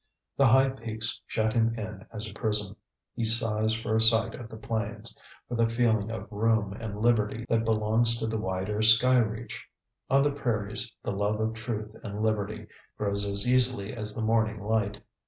The high peaks shut him in as a prison. He sighs for a sight of the plains, for the feeling of room and liberty that belongs to the wider sky reach. On the prairies the love of truth and liberty grows as easily as the morning light.